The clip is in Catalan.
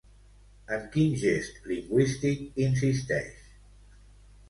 En quin gest lingüístic insisteix?